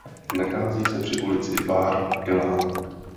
Nachází se při ulici "Bar Ilan".